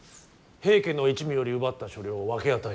平家の一味より奪った所領を分け与える。